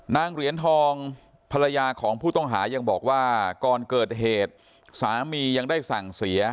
เหรียญทองภรรยาของผู้ต้องหายังบอกว่าก่อนเกิดเหตุสามียังได้สั่งเสีย